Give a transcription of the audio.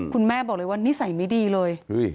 คุณแม่บอกเลยว่านิสัยไม่ดีเลย